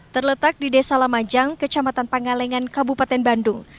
terletak di desa lamajang kecamatan pangalengan kabupaten bandung